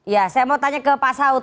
ya saya mau tanya ke pak saud